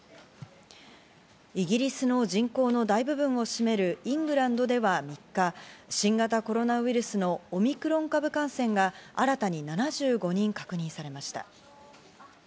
イギリスの人口の大部分を占めるイングランドでは３日、新型コロナウイルスのオミクロン株への感染が新たに７５人確認されました。